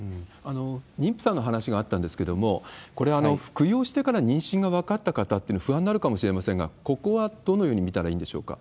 妊婦さんの話があったんですけれども、これ、服用してから妊娠が分かった方というのは不安になるかもしれませんが、ここはどのように見たらいいんでしょうか？